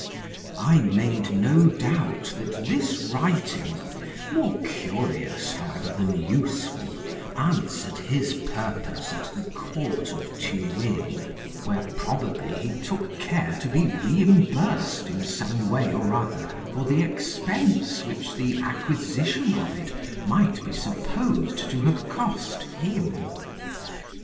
I made no doubt that this writing (more curious, however, than useful) answered his purpose at the court of Turin, where probably he took care to be reimbursed in some way or other for the expense which the acquisition of it might be supposed to have cost him.